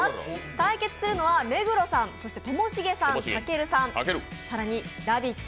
対決するのは目黒さん、ともしげさん、たけるさん、更に「ラヴィット！」